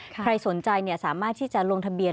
ใครสนใจสามารถที่จะลงทะเบียน